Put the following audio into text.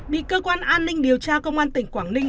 bị cơ quan an ninh điều tra công an tỉnh quảng ninh